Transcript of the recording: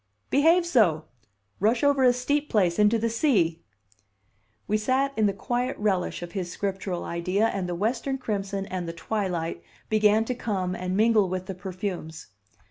"Behave so. Rush over a steep place into the sea." We sat in the quiet relish of his Scriptural idea, and the western crimson and the twilight began to come and mingle with the perfumes.